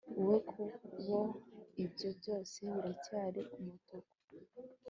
Wowe kubo ibyo byose biracyari umutuku